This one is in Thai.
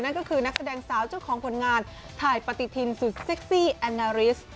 นั่นก็คือนักแสดงสาวเจ้าของผลงานถ่ายปฏิทินสุดเซ็กซี่แอนนาริส